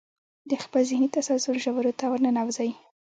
د خپل ذهني تسلسل ژورو ته ورننوځئ.